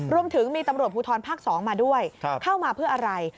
รวมถึงมีตำรวจภูทรภาค๒มาด้วยเข้ามาเพื่ออะไร